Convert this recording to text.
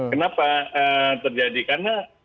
kenapa terjadi karena